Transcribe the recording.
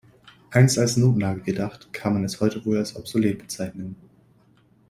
Einst als Notnagel gedacht, kann man es heute wohl als obsolet bezeichnen.